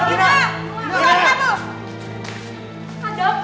ada apa ini ada apa